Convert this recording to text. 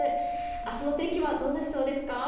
あすの天気はどうなりそうですか。